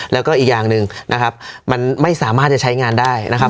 แล้วก็อีกอย่างหนึ่งนะครับมันไม่สามารถจะใช้งานได้นะครับ